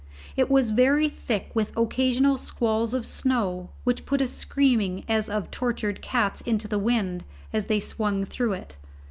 It was very thick with occasional squalls of snow, which put a screaming as of tortured cats into the wind as they swung through it.